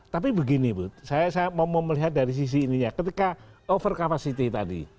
tapi begini but saya mau melihat dari sisi ininya ketika over capacity tadi